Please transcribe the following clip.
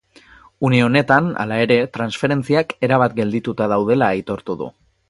Une honetan, hala ere, transferentziak erabat geldituta daudela aitortu du.